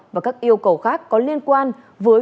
và các yêu cầu khác có liên quan với